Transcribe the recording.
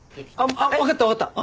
分かった分かった。